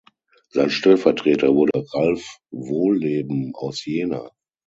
Sein Stellvertreter wurde Ralf Wohlleben aus Jena.